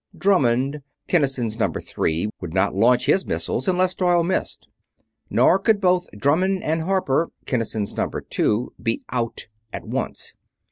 Drummond, Kinnison's Number Three, would not launch his missiles unless Doyle missed. Nor could both Drummond and Harper, Kinnison's Number Two, be "out" at once.